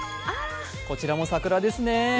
こちらも桜ですね。